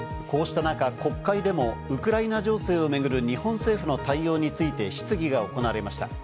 こうした中、国会でもウクライナ情勢をめぐる日本政府の対応について質疑が行われました。